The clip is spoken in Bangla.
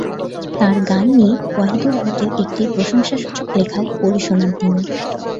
তাঁর গান নিয়ে ওয়াহিদুল হকের একটি প্রশংসাসূচক লেখাও পড়ে শোনান তিনি।